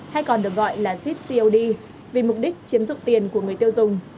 hay còn được gọi là zipcod vì mục đích chiếm dụng tiền của người tiêu dùng